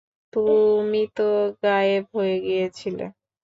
তুমি তো গায়েব হয়ে গিয়েছিলে।